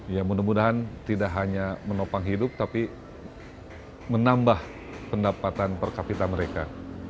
ya mudah mudahan tidak hanya menopang hidup tapi menambah pendapatan per kapita mereka